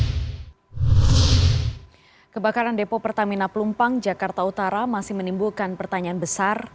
kebakaran depo pertamina pelumpang jakarta utara masih menimbulkan pertanyaan besar